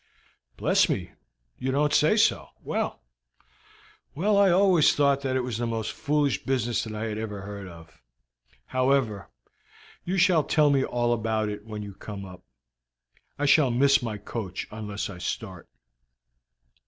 "Bless me, you don't say so! Well, well, I always thought that it was the most foolish business that I ever heard of. However, you shall tell me all about it when you come up. I shall miss my coach unless I start."